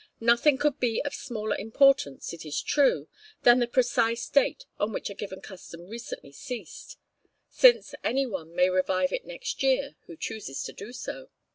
Nothing could be of smaller importance, it is true, than the precise date on which a given custom recently ceased, since any one may revive it next year who chooses to do so.